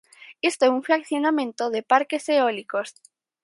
Isto é un fraccionamento de parques eólicos.